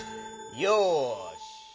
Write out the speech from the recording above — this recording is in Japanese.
よし！